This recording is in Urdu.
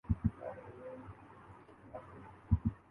ہم نہ شاعر نہ انقلابی۔